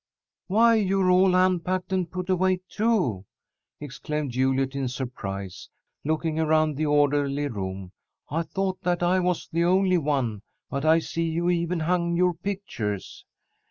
"Why, you're all unpacked and put away, too!" exclaimed Juliet, in surprise, looking around the orderly room. "I thought that I was the only one, but I see you've even hung your pictures."